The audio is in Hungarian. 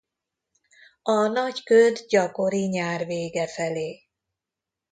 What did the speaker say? A nagy köd gyakori nyár vége felé.